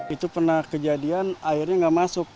itu pernah kejadian airnya nggak masuk